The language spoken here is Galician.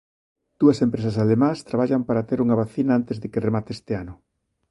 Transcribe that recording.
Dúas empresas alemás traballan para ter unha vacina antes de que remate este ano.